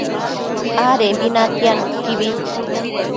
adembi natiad nuquibi